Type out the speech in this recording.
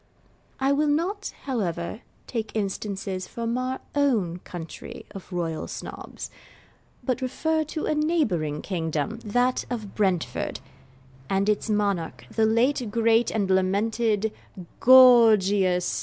I will not, however, take instances from our own country of Royal Snobs, but refer to a neighbouring kingdom, that of Brentford and its monarch, the late great and lamented Gorgius IV.